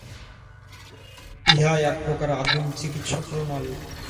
ইহা এক প্রকার আদিম চিকিৎসা-প্রণালী।